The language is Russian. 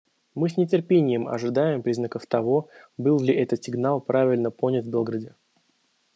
Мы с нетерпением ожидаем признаков того, был ли этот сигнал правильно понят в Белграде.